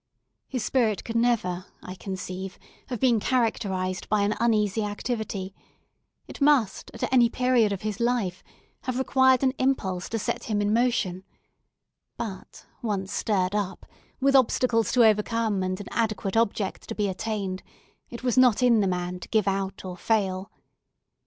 His spirit could never, I conceive, have been characterized by an uneasy activity; it must, at any period of his life, have required an impulse to set him in motion; but once stirred up, with obstacles to overcome, and an adequate object to be attained, it was not in the man to give out or fail.